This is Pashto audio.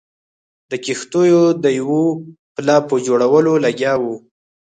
د کښتیو د یوه پله په جوړولو لګیا وو.